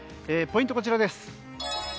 ポイントは、こちらです。